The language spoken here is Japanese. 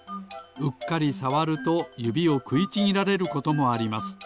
うっかりさわるとゆびをくいちぎられることもあります。